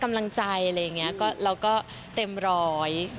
กำลังใจอะไรอย่างนี้ก็เราก็เต็มร้อย